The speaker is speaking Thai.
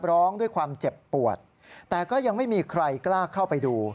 ร้องด้วยความเจ็บปวดแต่ก็ยังไม่มีใครกล้าเข้าไปดู